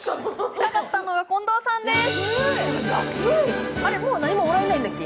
近かったのは近藤さんです。